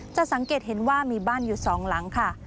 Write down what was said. จะสังเกตเห็นว่ามีบ้านอยู่สองหลังค่ะ